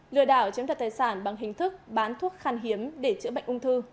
lừa đảo chiếm thật tài sản bằng hình thức bán thuốc khan hiếm để chữa bệnh ung thư